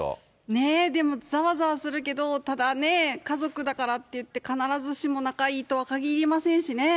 ねぇ、でもざわざわするけど、ただね、家族だからっていって、必ずしも仲いいとはかぎりませんしね。